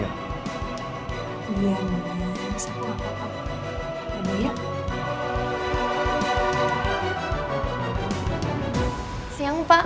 biar nolain satu apa apa